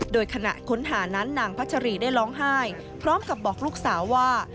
โดยขณะค้นหานั้นนางพัชรีได้ร้องไห้พร้อมกับบอกลูกสาวว่า